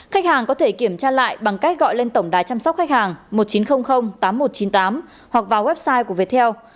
khách hàng có thể kiểm tra lại bằng cách gọi lên tổng đài chăm sóc khách hàng một nghìn chín trăm linh tám nghìn một trăm chín mươi tám hoặc vào website của viettel